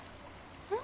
うん？